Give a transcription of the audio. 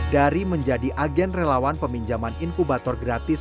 dari menjadi agen relawan peminjaman inkubator gratis